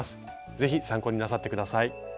是非参考になさって下さい。